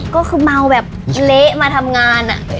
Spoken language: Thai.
ก็คือเมาแบบเละมาทำงานอะ